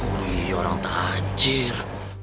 hai orang tajil